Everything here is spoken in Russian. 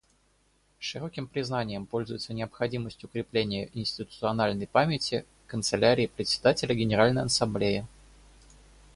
Широким признанием пользуется необходимость укрепления институциональной памяти Канцелярии Председателя Генеральной Ассамблеи.